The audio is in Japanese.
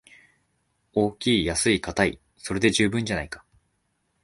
大きい安いかたい、それで十分じゃないか